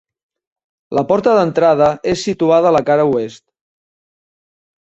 La porta d'entrada és c situada a la cara oest.